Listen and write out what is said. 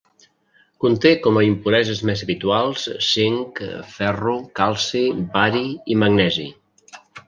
Conté com a impureses més habituals zinc, ferro, calci, bari i magnesi.